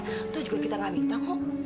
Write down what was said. itu juga kita nggak minta kok